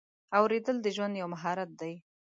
اورېدل د ژوند یو مهارت دی.